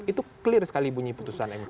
itu clear sekali bunyi putusan mk